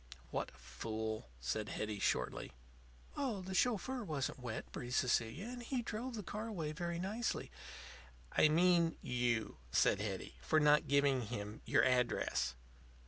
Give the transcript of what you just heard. "What a fool!" said Hetty, shortly. "Oh, the chauffeur wasn't wet," breathed Cecilia. "And he drove the car away very nicely." "I mean you," said Hetty. "For not giving him your address."